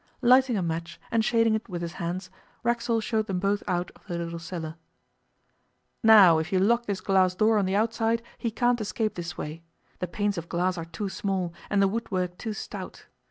Lighting a match and shading it with his hands, Racksole showed them both out of the little cellar. 'Now if you lock this glass door on the outside he can't escape this way: the panes of glass are too small, and the woodwork too stout.